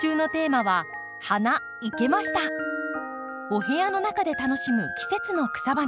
お部屋の中で楽しむ季節の草花